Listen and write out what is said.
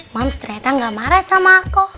moms ternyata gak marah sama aku